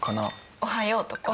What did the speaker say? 「おはよう」とか。